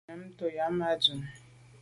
Nyam tà yàme à dum.